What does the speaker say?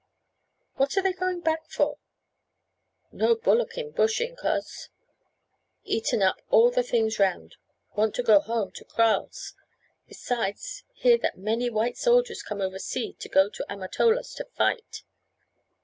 "What are they going back for?" "No bullock in bush, incos, eaten up all the things round, want to go home to kraals; besides hear that many white soldiers come over sea to go to Amatolas to fight."